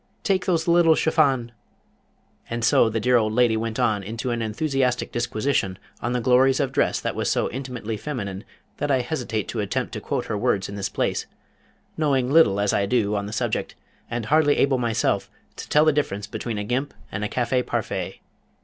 Take those little chiffon " And so the dear old lady went on into an enthusiastic disquisition on the glories of dress that was so intimately feminine that I hesitate to attempt to quote her words in this place, knowing little as I do on the subject, and hardly able myself to tell the difference between a gimp and a café parfait.